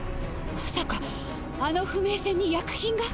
まさかあの不明船に薬品が？